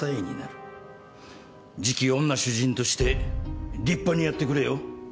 次期女主人として立派にやってくれよ。